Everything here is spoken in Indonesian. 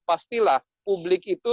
pastilah publik itu